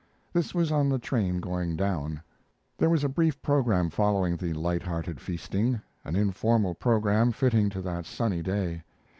This was on the train going down. There was a brief program following the light hearted feasting an informal program fitting to that sunny day.